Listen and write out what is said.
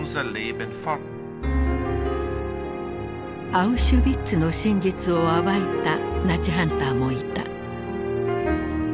アウシュビッツの真実を暴いたナチハンターもいた。